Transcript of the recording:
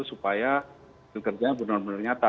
supaya bekerja benar benar nyata